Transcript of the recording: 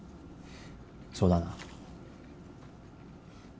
そうだな。